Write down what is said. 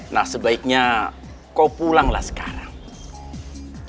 nah sebaiknya kau pulanglah sekarang